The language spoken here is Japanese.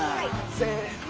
せの！